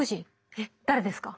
えっ誰ですか？